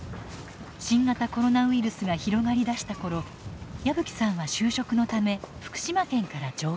新型コロナウイルスが広がり出した頃矢吹さんは就職のため福島県から上京。